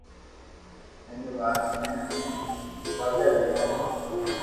ائرو وات نيي امي توجِ ديو ھون